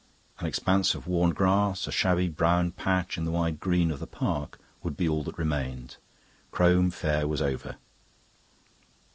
An expanse of worn grass, a shabby brown patch in the wide green of the park, would be all that remained. Crome Fair was over.